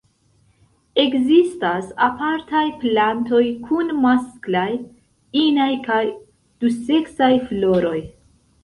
Ekzistas apartaj plantoj kun masklaj, inaj kaj duseksaj floroj.